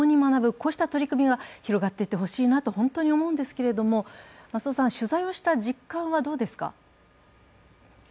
こうした取り組みが広がって言ってほしいなと本当に思うんですけれども、取材をした実感はどうですか。